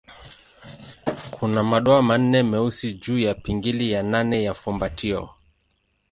Kuna madoa manne meusi juu ya pingili ya nane ya fumbatio.